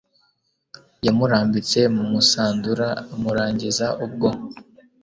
Yamurambitse mu Musandura amurangiza ubwo